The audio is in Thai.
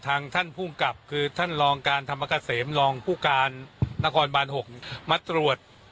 ท่านภูมิกับคือท่านรองการธรรมเกษมรองผู้การนครบาน๖มาตรวจ